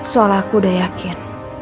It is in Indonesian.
soal aku udah yakin